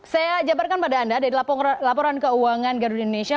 saya jabarkan pada anda dari laporan keuangan garuda indonesia